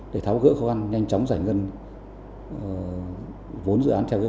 để tháo gỡ khóa nhanh chóng giải ngân vốn dự án theo kế hoạch